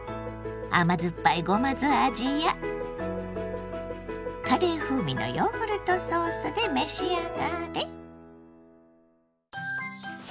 甘酸っぱいごま酢味やカレー風味のヨーグルトソースで召し上がれ。